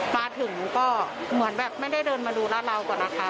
มาถึงก็เหมือนแบบไม่ได้เดินมาดูร้านเราก่อนนะคะ